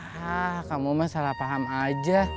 hah kamu mah salah paham aja